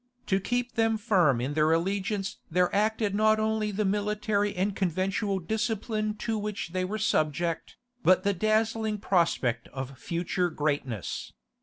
To keep them firm in their allegiance there acted not only the military and conventual discipline to which they were subject, but the dazzling prospect of future greatness.